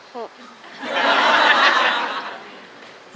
หึ